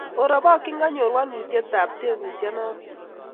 Oropokchi, kanyor walutyetap tebuyonotok